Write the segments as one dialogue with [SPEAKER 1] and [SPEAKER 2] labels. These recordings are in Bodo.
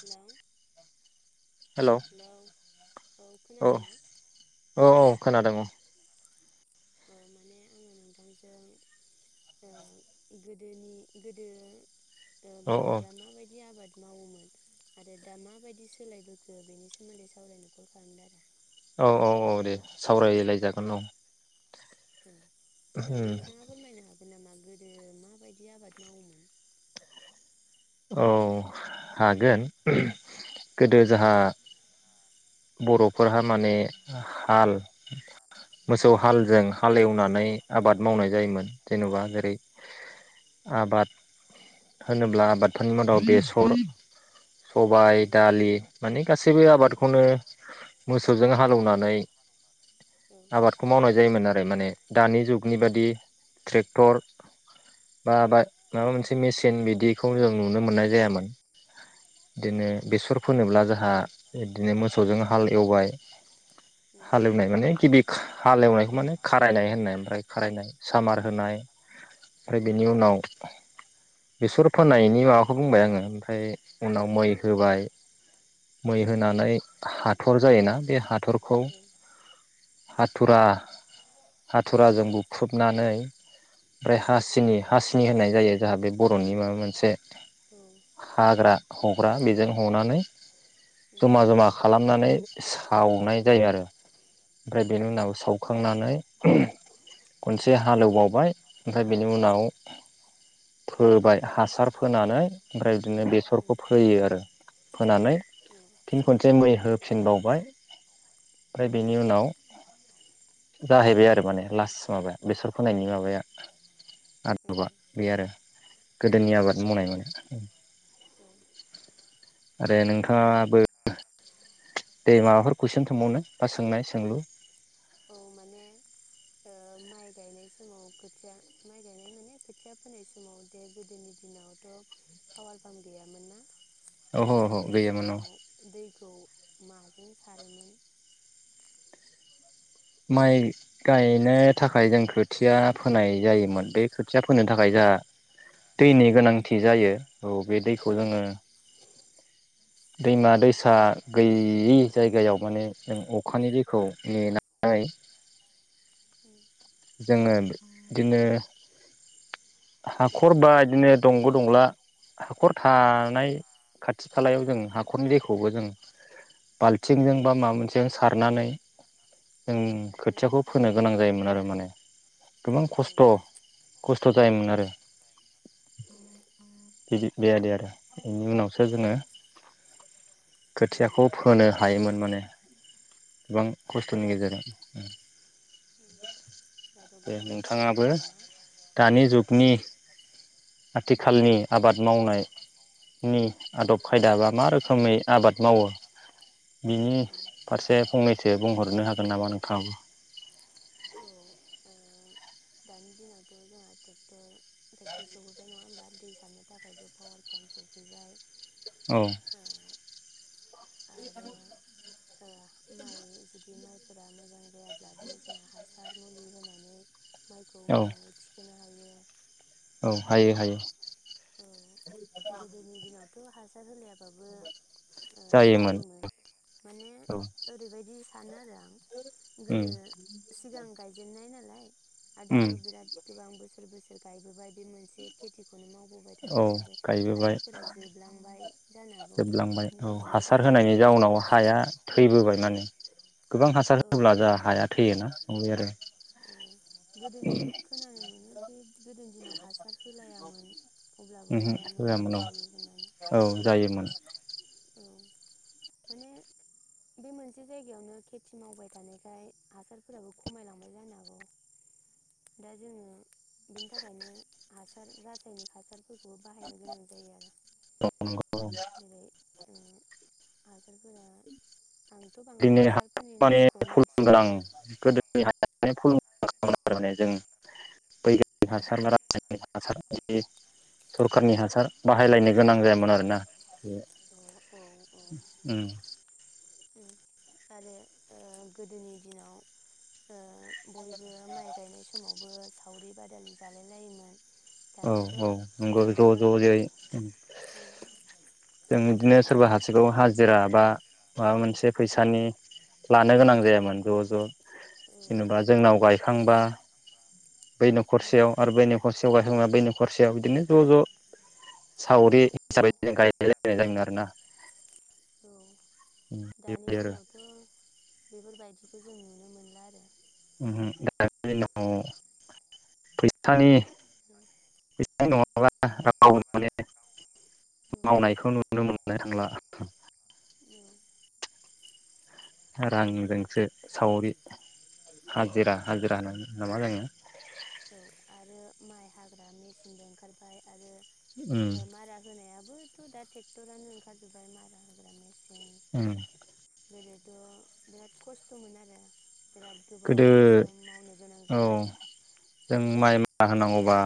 [SPEAKER 1] हेलौ
[SPEAKER 2] हेलौ औ औ औ खोनादों औ।
[SPEAKER 1] औ माने आङो नोंथांजों गोदोनि गोदो
[SPEAKER 2] औ औ
[SPEAKER 1] बर'फोरा माबायदि आबाद मावोमोन आरो दा माबायदि सोलायबोखो बेनि सोमोन्दै सावरायनो कल खालामदों आरो
[SPEAKER 2] औ -औ- औ- दे सावरायलायजागोन औ।
[SPEAKER 1] औ नोंथाङा फोरमायनो हागोन। जामा गोदो माबायदि आबाद मावोमोन।
[SPEAKER 2] औ हागोन गोदो जोंहा बर'फोरहा माने हाल मोसौ
[SPEAKER 1] उम
[SPEAKER 2] हालजों हालेवनानै आबाद मावनाय जायोमोन। जेनेबा जेरै आबाद होनोब्ला आबाद। फोन मादाव बेसर। सबाय
[SPEAKER 1] औ
[SPEAKER 2] दालि माने गासैबो आबादखौनो मोसौजों हालौवनानै। नाय।
[SPEAKER 1] औ
[SPEAKER 2] आबादखौ मावनाय जायोमोन आरो। म माने दानि जुगनि बादि ट्रेक्टर। बा
[SPEAKER 1] औ
[SPEAKER 2] बा माबा मोनसे मेचन बिदिखौ जों। नुनो मोननाय जायामोन।
[SPEAKER 1] औ
[SPEAKER 2] बिदिनो बेसर फोनोब्ला जोंहा बिदिनो मोसौजों
[SPEAKER 1] उम
[SPEAKER 2] हाल एवबाय।
[SPEAKER 1] उम
[SPEAKER 2] हालौ नानै गि हालेवनायखौ माने खारायनाय होननाय ओमफ्राय। खारायनाय
[SPEAKER 1] औ
[SPEAKER 2] सामार होनाय, ओमफ्राय
[SPEAKER 1] उम
[SPEAKER 2] बेनि उनाव बिसर फोनाय बे माबाखौ बुंबाय आङो ओमफ्राय
[SPEAKER 1] औ
[SPEAKER 2] उनाव मै होबाय मै होनानै हा थर जायोना बे हा थरखौ हाथुरा
[SPEAKER 1] उम उम
[SPEAKER 2] हाथुराजों बुख्रुबनानै
[SPEAKER 1] औ
[SPEAKER 2] ओमफ्राय
[SPEAKER 1] उम
[SPEAKER 2] हासिनि हासिनि। होनाय जायो जाहा बे बर'नि माबा मोनसे
[SPEAKER 1] औ
[SPEAKER 2] हाग्रा हग्रा बेजों हनानै।
[SPEAKER 1] उम औ उम औ
[SPEAKER 2] जमा जमा खालामनानै सावनाय जायो आरो, ओमफ्राय बेनि उनाव सावखांनानै खनसे हालेवबावबाय, ओमफ्राय बेनि उनाव फोबाय हासार फोनानै ओमफ्राय बिदिनो बेसरखौ फोयो आरो। फोनानै फिन खनसे मैहो फिनबावबाय ओमफ्राय बेनि उनाव जाहैबाय आरो माने लास्ट माबाया बेसर फोनायनि माबाया आदबा
[SPEAKER 1] औ
[SPEAKER 2] बे आरो गोदोनि आबाद। [unintelligible] आरो
[SPEAKER 1] औ
[SPEAKER 2] नोंथाङाबो दे माबाफोर कुइसन सोंबावनो बा सोंनाय सोंलु
[SPEAKER 1] ओ औ माने ओ माइ गायनाय समाव खोथिया माइ गायनाय माने खोथिया फोनाय समाव दे गोदोनि दिनावथ' पावार पाम्प गैयामोन ना? ओ
[SPEAKER 2] ओहो ओहो
[SPEAKER 1] बे
[SPEAKER 2] गैयामोन औ
[SPEAKER 1] समाव दैखौ माजों सारोमोन?
[SPEAKER 2] माइ गायनो थाखाय जों खोथिया फोनाय जायोमोन बे खोथिया फोनो थाखाय जाहा दैनि गोनांथि जायो औ बे दैखौ जोङो दैमा दैसा गैयि जायगायाव माने जों अखानि दैखौ नेना हाय जोङो
[SPEAKER 1] औ उम
[SPEAKER 2] बिदिनो हाखर बा इदिनो दंग' दंला हाखर थानाय खाथि खालायाव जों हाखरनि दैखौबो जों बालथिंजों बा
[SPEAKER 1] दाथ'
[SPEAKER 2] माबा मोनसेजों सारनानै जों खोथियाखौ फोनो गोनां जायोमोन आरो माने गोबां खस्थ' खस्थ' जायोमोन आरो बि-बेबायादि आरो इनि उनावसो जोङो खोथियाखौ फोनो हायोमोन माने गोबां खस्थ'नि गेजेरजों। दे
[SPEAKER 1] गोबां
[SPEAKER 2] नोंथाङाबो
[SPEAKER 1] सोलायबोबायना
[SPEAKER 2] दानि जुग नि आथिखालनि आबाद मावनाय नि आदब खायदा बा मा रोखोमै आबाद मावो बिनि फारसे फंनैसो बुंहरनो हागोन नामा नोंथाङाबो।
[SPEAKER 1] औ दानि दिनावथ' जोंहा टेक्टर टेक्टर सफैबाय नङा होमबा? दै सारनो थाखायबो पावार पाम्प सफैबाय।
[SPEAKER 2] औ
[SPEAKER 1] [inaudible] ओ आरो ओ माइ जुदि माइफोरा मोजां जाया ब्लाबो जों हास सार मुलि होनानै मा
[SPEAKER 2] औ औ हायो हायो।
[SPEAKER 1] औ
[SPEAKER 2] [unintelligible]
[SPEAKER 1] गोदोनि हासार होलायाबाबो ओ जायोमोन माने
[SPEAKER 2] औ
[SPEAKER 1] ओरैबायदि सानो आरो आं
[SPEAKER 2] उम
[SPEAKER 1] गोदो सिगां गायजेननाय नालाय आरो
[SPEAKER 2] उम
[SPEAKER 1] दाथ' बिराद गोबां बोसोर बोसोर बोसोर गायबोबाय बे मोनसे खेथिखौनो माव बोबाय
[SPEAKER 2] औ
[SPEAKER 1] थानाय हिसाबै
[SPEAKER 2] गायबोबाय
[SPEAKER 1] हासारफोरा जोबलांबाय जानो हागौ
[SPEAKER 2] जोबलांबाय
[SPEAKER 1] बिनि
[SPEAKER 2] औ
[SPEAKER 1] थाखायनो
[SPEAKER 2] हासार
[SPEAKER 1] जोङो
[SPEAKER 2] होनायनि जाउनाव
[SPEAKER 1] [unintelligible]
[SPEAKER 2] हाया थैबोबाय माने गोबां हासार
[SPEAKER 1] औ
[SPEAKER 2] होब्ला जा हाया थैयोना उम बे आरो
[SPEAKER 1] औ गोदोनि खोनानो मोनो दि गोदोनि दिनाव हासार होलायामोन अब्लाबो
[SPEAKER 2] ओमहो
[SPEAKER 1] माइआ मोजां
[SPEAKER 2] होआमोन औ
[SPEAKER 1] जायो होननानै
[SPEAKER 2] औ जायोमोन
[SPEAKER 1] औ माने बे मोनसे जायगायावनो खेथि ओ औ औ माने बे मोनसे जायगायावनो खेथि मावबायथानायखाय हासारफोराबो खमायलांबाय जानो हागौ दा जोङो बेनि थाखायनो हासार रासायनिक हासार फोरखौबो बाहायनो गोनां जायो आरो
[SPEAKER 2] नंगौ
[SPEAKER 1] जेरै ओ हासारफोरा
[SPEAKER 2] [unintelligible] [unintelligible] [unintelligible]
[SPEAKER 1] आंथ'
[SPEAKER 2] जों
[SPEAKER 1] बांद्राय हासारफोरनि नामखौ मिथिया
[SPEAKER 2] बैबायदिनो हासारबारा जायो हासारा जेरै सरखारनि हासार बाहायलायनो गोनां जायामोन आरो ना बे
[SPEAKER 1] औ औ औ
[SPEAKER 2] उम
[SPEAKER 1] उम आरो ओ गोदोनि दिनाव ओ बयबो माइ गायनाय समावबो सावरि बादालि जालाय लायोमोन
[SPEAKER 2] औ
[SPEAKER 1] दानाथ'
[SPEAKER 2] औ नंगौ ज ज
[SPEAKER 1] बयबो
[SPEAKER 2] जायो
[SPEAKER 1] औ
[SPEAKER 2] जों इदिनो सोरबा
[SPEAKER 1] दाथ' औ
[SPEAKER 2] हासिगौ हाजिरा बा माबा मोनसे फैसानि लानो गोनां जायामोन ज ज
[SPEAKER 1] उम
[SPEAKER 2] जेनेबा जोंनाव गाय खांबा बै नखरसेयाव आरो बै नखरसे बा बै न खरसेयाव बिदिनो ज ज सावरि
[SPEAKER 1] औ
[SPEAKER 2] हिसाबै जों गायलाय लायो [unintelligible] आरोना।
[SPEAKER 1] औ दानि
[SPEAKER 2] बेबायदि आरो
[SPEAKER 1] दिनावथ' बेफोरबायदिखौ जों नुनो मोनला आरो
[SPEAKER 2] उहु दानि दिनाव फैसानि
[SPEAKER 1] माने
[SPEAKER 2] [unintelligible] मावनायखौ नुनो मोन नो थांला
[SPEAKER 1] औ
[SPEAKER 2] रांजोंसो सावरि हाजिरा
[SPEAKER 1] उम
[SPEAKER 2] हाजिरा होनो ना मा जोङो
[SPEAKER 1] औ आरो माइ हाग्रा मेसिनबो ओंखारबाय आरो
[SPEAKER 2] उम
[SPEAKER 1] ओ मारा होनाया बोथ' दा टेक्टरानो ओंखारजोबबाय मारा होग्रा मेसिन
[SPEAKER 2] उम
[SPEAKER 1] गोदोथ' बिराद खस्थ'मोन आरो बिराद
[SPEAKER 2] गोदो
[SPEAKER 1] गोबाव सम मावनो गोनां
[SPEAKER 2] औ
[SPEAKER 1] जायोमोन।
[SPEAKER 2] जों माइ मारा होनांगौ बा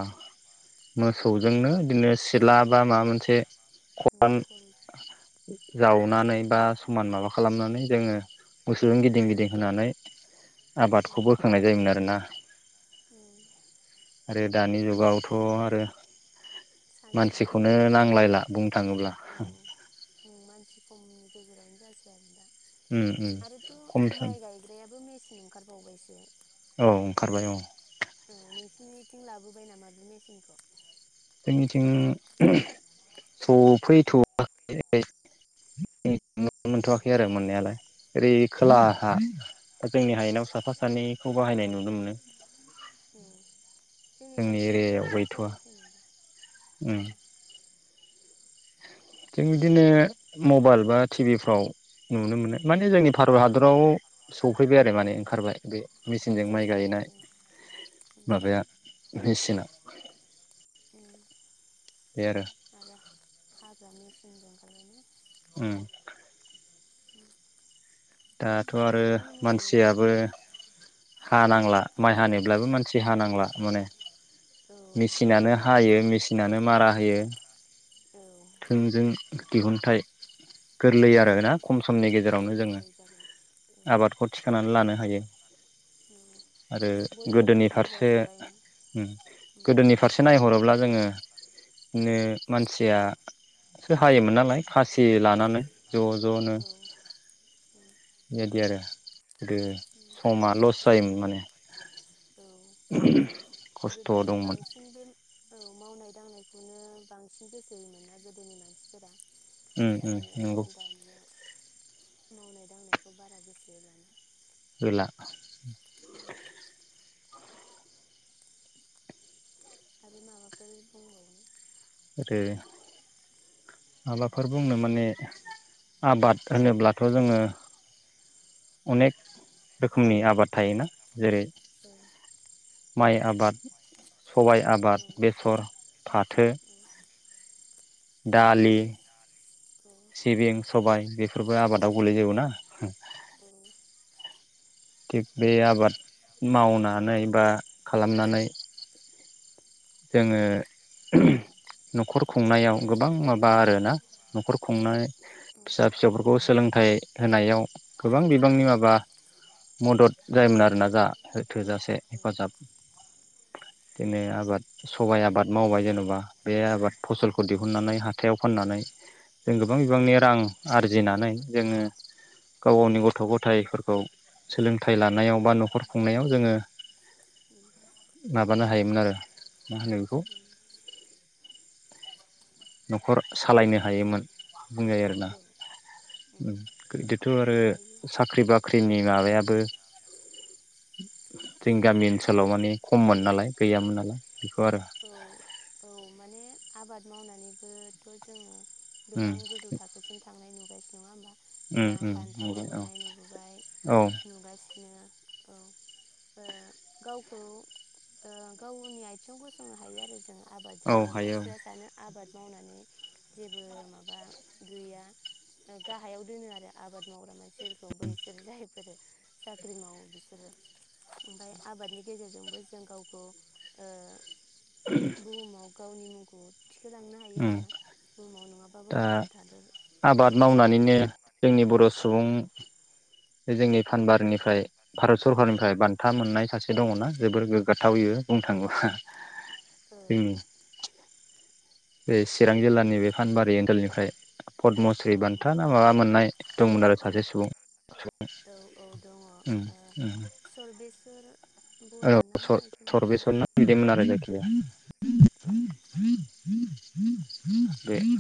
[SPEAKER 2] मोसौजोंनो बिदिनो सिला बा माबा मोनसे
[SPEAKER 1] उम
[SPEAKER 2] खवान
[SPEAKER 1] खलथा
[SPEAKER 2] जावनानै बा समान माबा खालामनानै जोङो
[SPEAKER 1] औ
[SPEAKER 2] मोसौजों गिदिं गिदिं होनानै
[SPEAKER 1] औ
[SPEAKER 2] आबादखौ बोखांनाय जायोमोन आरोना।
[SPEAKER 1] उम
[SPEAKER 2] आरो दानि जुगाव थ' आरो मानसिखौनो
[SPEAKER 1] सानसेयावनो होजायो
[SPEAKER 2] नांलायला बुंनो थाङोब्ला
[SPEAKER 1] औ उम मानसि खमनि गेजेरावनो जासै आरो दा।
[SPEAKER 2] उम उम खम
[SPEAKER 1] आरोथ'
[SPEAKER 2] सम
[SPEAKER 1] माइ गायग्रायाबो मेचि न ओंखारबावबायसो।
[SPEAKER 2] औ ओंखारबाय औ।
[SPEAKER 1] औ नोंसिनिथिं लाबोबाय नामा बे मेचिनखौ?
[SPEAKER 2] जोंनिथिं सफैथ'वाखैैलै [unintelligible] नचनो
[SPEAKER 1] उम
[SPEAKER 2] मोनथ'वाखै आरो मोननायालाय। ओरै खोलाहा
[SPEAKER 1] उम औ
[SPEAKER 2] जोंनि हायेनाव साफा सानैखौ बाहायनाय नुनो मोनो।
[SPEAKER 1] जोंनि साइडथिबो
[SPEAKER 2] एरियायाव
[SPEAKER 1] नुवाखै
[SPEAKER 2] गैथ'वा
[SPEAKER 1] जेनबा।
[SPEAKER 2] उम जों बिदिनो मबाइल बा टि भिफ्राव नुनो मोनो माने जोंनि भारत
[SPEAKER 1] औ
[SPEAKER 2] हादराव सफैबाय बे माने ओंखारबाय बे मेचिनजों
[SPEAKER 1] औ
[SPEAKER 2] माइ गायनाय
[SPEAKER 1] सफैबाय उम
[SPEAKER 2] माबाया मिचिना।
[SPEAKER 1] उम
[SPEAKER 2] बे आरो
[SPEAKER 1] आरो हाग्रा मेचि
[SPEAKER 2] उम।
[SPEAKER 1] उम।
[SPEAKER 2] दाथ' आरो
[SPEAKER 1] नोंथांमोननिखै
[SPEAKER 2] मानसियाबो
[SPEAKER 1] औ
[SPEAKER 2] हानांला माइ हानोब्लाबो मानसि हानांला। माने।
[SPEAKER 1] औ
[SPEAKER 2] मेचिनानो हायो मेचिनानो मारा होयो
[SPEAKER 1] औ।
[SPEAKER 2] थोंजों दिहुनथाइ गोरलै
[SPEAKER 1] औ
[SPEAKER 2] आरो ना खम समनि
[SPEAKER 1] औ
[SPEAKER 2] गेजेरावनो जोङो
[SPEAKER 1] गोरलै जाबाय औ
[SPEAKER 2] आबादखौ थिखांनानै लानो हायो।
[SPEAKER 1] औ
[SPEAKER 2] आरो
[SPEAKER 1] बयबो
[SPEAKER 2] गोदोनि
[SPEAKER 1] बिजि
[SPEAKER 2] फारसे
[SPEAKER 1] जाजोब्बायना
[SPEAKER 2] उम
[SPEAKER 1] उम
[SPEAKER 2] गोदोनि फारसे नायहरोब्ला जोङो बिनो मानसिया सो हायोमोन नालाय खासि लानानै ज जनो
[SPEAKER 1] औ उम
[SPEAKER 2] बेदि आरो गोदो
[SPEAKER 1] उम
[SPEAKER 2] समाल'स टायेम माने
[SPEAKER 1] औ
[SPEAKER 2] खस्थ'
[SPEAKER 1] गोदो
[SPEAKER 2] दंमोन
[SPEAKER 1] बांसिन बे औ मावनाय दांनायखौनो बांसिन गोसो होयोमोन ना गोदोनि मानसिफोरा।
[SPEAKER 2] उम
[SPEAKER 1] दा
[SPEAKER 2] उम
[SPEAKER 1] आरो
[SPEAKER 2] नंगौ
[SPEAKER 1] दानिया मावनाय दांनायखौ बारा गोसोहोलाना
[SPEAKER 2] बेेला
[SPEAKER 1] उम आरो माबाफोर बुंबावगोना?
[SPEAKER 2] आरो माबाफोर बुंनो माने आबाद होनोब्लाथ' जोङो अनेक रोखोमनि आबाद थायोना जेरै
[SPEAKER 1] औ
[SPEAKER 2] माइ आबाद सबाइ
[SPEAKER 1] औ
[SPEAKER 2] आबाद, बेसर, फाथो दालि
[SPEAKER 1] औ
[SPEAKER 2] सिबिं सबाय बेफोरबो आबादाव गोलैजोबो ना?
[SPEAKER 1] औ
[SPEAKER 2] थिग बे आबाद मावनानै बा खालामनानै जोङो न'खर खुंनायाव गोबां माबा आरोना न'खर खुंनाय
[SPEAKER 1] उम
[SPEAKER 2] फिसा फिसौफोरखौ सोलोंथाइ होनायाव गोबां बिबांनि माबा मदद जायोमोन आरोना जा थोजासे
[SPEAKER 1] उम
[SPEAKER 2] हेफाजाब बिदिनो आबाद सबाइ आबाद मावबाय जेनबा बे आबाद फसलखौ दिहुननानै हाथायाव फाननानै जों गोबां बिबांनि रां आरजिनानै जोङो गाव गावनि गथ' गथायाइफोरखौ सोलोंथाइ लानायाव बा न'खर खुंनायाव जोङो माबानो हायोमोन आरो मा होनो बेखौ
[SPEAKER 1] उम
[SPEAKER 2] न'खर सालायनो हायोमोन। बुंजायो आरोना
[SPEAKER 1] औ
[SPEAKER 2] उम बिदिथ' आरो
[SPEAKER 1] हायो
[SPEAKER 2] साख्रि बाख ख्रिनि माबायाबो जोंनि गामि ओनसोलाव माने खममोन नालाय गैयामोन नालाय। बेखौ आरो
[SPEAKER 1] औ औ माने आबाद मावनानैबोथ' जोङो
[SPEAKER 2] उम
[SPEAKER 1] गोबां गोजौ थाखोसिम थांनाय नुगासिनोमोन
[SPEAKER 2] उम
[SPEAKER 1] गोबां
[SPEAKER 2] उम
[SPEAKER 1] बान्थाबो
[SPEAKER 2] नुबाय औ
[SPEAKER 1] मोननाय नुबोबाय
[SPEAKER 2] औ
[SPEAKER 1] नुगासि नो औ ओ गावखौ ओ गावनि आथिङाव गोसं संनो हायो आरो जोङो।
[SPEAKER 2] औ
[SPEAKER 1] आबादजोंबो
[SPEAKER 2] हायो औ
[SPEAKER 1] मानसिफ्रा सानो आबाद मावनानै जेबो माबा गैया ओ गाहायाव दोनो आरो आबाद मावग्रा मानसिफोरखौ बैसोरो जायफोरो साख्रि मावो बिसोरो ओमफाय आबादनि गेजेरजोंबो जों गावखौ ओ बुहुमाव गावनि मुंखौ थिखो लांनो हायो
[SPEAKER 2] उम
[SPEAKER 1] आरो बुहुमाव नङाबाबो
[SPEAKER 2] दा
[SPEAKER 1] भारत हादर
[SPEAKER 2] आबाद [unintelligible] जोंनि बर' सुबुं बे जोंनि फानबारिनिफ्राय भारत सरकारनिफ्राय बान्था मोननाय सासे दङना? जोबोर गोग्गाथावयो बुंनो थाङोब्ला
[SPEAKER 1] औ
[SPEAKER 2] जोंनि बे चिरां जिल्लानि बे फानबारि ओनसोलनिफ्राय पदमश्री
[SPEAKER 1] औ
[SPEAKER 2] बान्था ना माबा मोननाय दंमोन आरो सासे सुबुं उम उम
[SPEAKER 1] सरबेसर
[SPEAKER 2] औ सर सरबेसर ना बिदिमोन आरो [inaudible] [inaudible]
[SPEAKER 1] औ
[SPEAKER 2] बे [inaudible]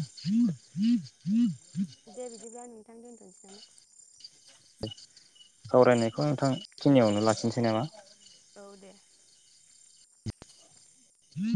[SPEAKER 1] दे बिदिब्ला नों थां दोनथ'सै नामा?
[SPEAKER 2] दे सावरायनायखौ
[SPEAKER 1] दे।
[SPEAKER 2] नोंथां खिनियावनो ला [inaudible] नामा?
[SPEAKER 1] औ दे।